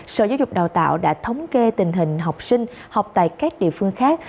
sở giáo dục đào tạo đã thống kê tình hình học sinh học tại các địa phương khác